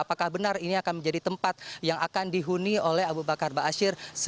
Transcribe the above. apakah benar ini akan menjadi tempat yang akan dihuni oleh abu bakar baasyir